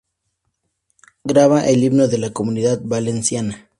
Graba el Himno de la Comunidad Valenciana.